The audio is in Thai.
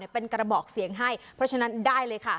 เป็นกระบอกเสียงให้เพราะฉะนั้นได้เลยค่ะ